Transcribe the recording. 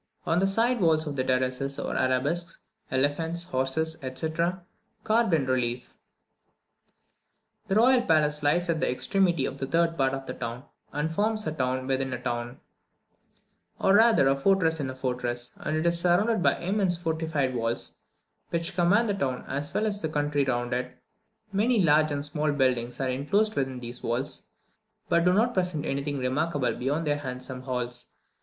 On the side walls of the terraces are arabesques, elephants, horses, etc., carved in relief. The royal palace lies at the extremity of the third part of the town, and forms a town within a town, or rather a fortress in a fortress, as it is surrounded by immense fortified walls, which command the town as well as the country round it; many large and small buildings are enclosed within these walls, but do not present anything remarkable beyond their handsome halls.